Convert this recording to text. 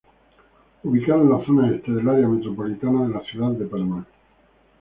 Ubicado en la zona este del área metropolitana de la ciudad de Panamá.